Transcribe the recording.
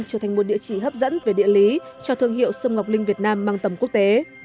trở thành một địa chỉ hấp dẫn về địa lý cho thương hiệu sâm ngọc linh việt nam mang tầm quốc tế